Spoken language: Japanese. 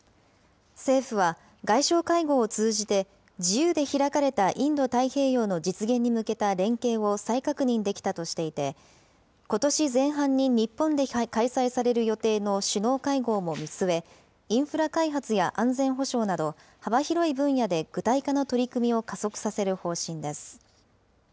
政府は、外相会合を通じて、自由で開かれたインド太平洋の実現に向けた連携を再確認できたとしていて、ことし前半に日本で開催される予定の首脳会合も見据え、インフラ開発や安全保障など、幅広い分野で具体化の取り組みを加速させる方針です。